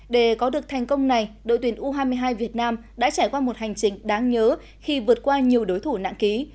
để có được thành công này đội tuyển u hai mươi hai việt nam đã trải qua một hành trình đáng nhớ khi vượt qua nhiều đối thủ nạng ký